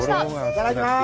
いただきます。